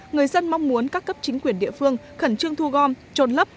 người dân mong muốn các cấp chính quyền địa phương khẩn trương thu gom trồn lấp